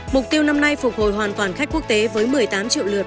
mục tiêu năm nay phục hồi hoàn toàn khách quốc tế với một mươi tám triệu lượt